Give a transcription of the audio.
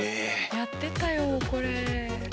やってたよこれ。